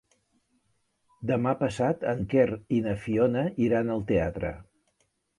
Demà passat en Quer i na Fiona iran al teatre.